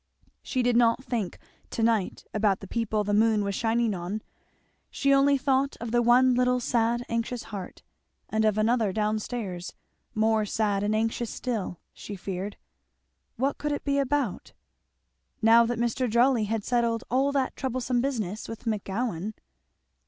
She did not think to night about the people the moon was shining on; she only thought of one little sad anxious heart, and of another down stairs, more sad and anxious still, she feared; what could it be about? Now that Mr. Jolly had settled all that troublesome business with McGowan?